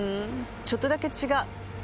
ちょっとだけ違う。